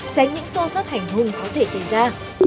tránh những xô sát hành hung có thể xảy ra